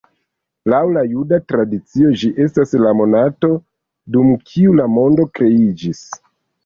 Laŭ la juda tradicio, ĝi estas la monato, dum kiu la mondo kreiĝis.